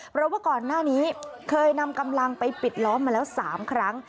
เพราะว่าก่อนหน้านี้เคยนำกำลังไปปิดล้อมมาแล้ว๓ครั้ง